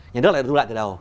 nhà nước lại thu lại từ đầu